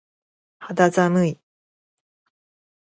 肌寒い。